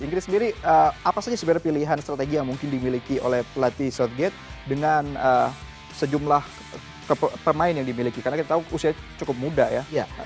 inggris sendiri apa saja sebenarnya pilihan strategi yang mungkin dimiliki oleh pelatih shortgate dengan sejumlah pemain yang dimiliki karena kita tahu usia cukup muda ya